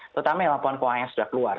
terutama yang walaupun kuahnya sudah keluar